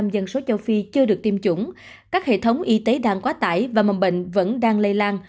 một mươi dân số châu phi chưa được tiêm chủng các hệ thống y tế đang quá tải và mầm bệnh vẫn đang lây lan